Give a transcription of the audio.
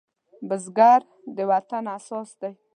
بزګر د وطن اساس دی